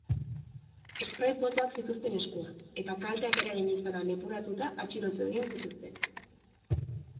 Spray potoak zituzten eskuan eta kalteak eragin izana leporatuta atxilotu egin zituzten.